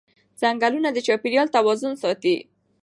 ځنګلونه د چاپېریال توازن ساتي